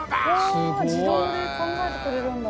すごい。わあ自動で考えてくれるんだ。